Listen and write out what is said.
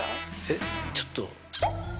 えっちょっと。